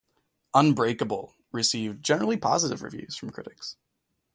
"Unbreakable" received generally positive reviews from critics.